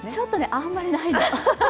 あんまりないんです。